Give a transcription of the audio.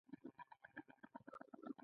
الماري کې ځینې خلک موبایل چارجر ساتي